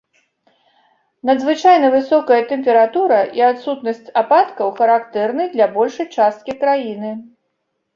Надзвычайна высокая тэмпература і адсутнасць ападкаў характэрны для большай часткі краіны.